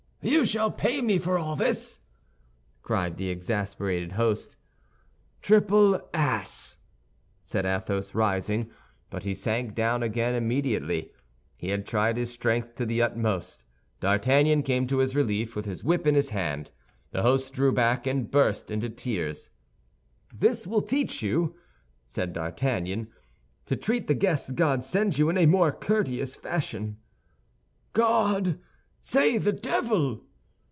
"You shall pay me for all this," cried the exasperated host. "Triple ass!" said Athos, rising; but he sank down again immediately. He had tried his strength to the utmost. D'Artagnan came to his relief with his whip in his hand. The host drew back and burst into tears. "This will teach you," said D'Artagnan, "to treat the guests God sends you in a more courteous fashion." "God? Say the devil!"